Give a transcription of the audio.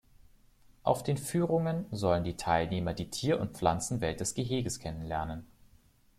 Auf den Führungen sollen die Teilnehmer die Tier- und Pflanzenwelt des Geheges kennenlernen.